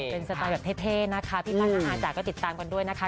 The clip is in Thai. เป็นสไตล์แบบเท่นะครับพี่พันธ์ของอาจารย์ก็ติดตามกันด้วยนะครับ